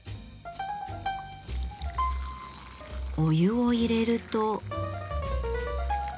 お湯を入れると。